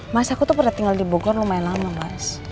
mas aku tuh pernah tinggal di bogor lumayan lama mas